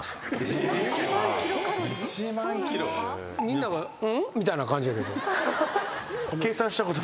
みんなが「ん？」みたいな感じやけど。